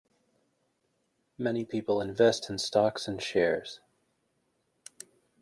Many people invest in stocks and shares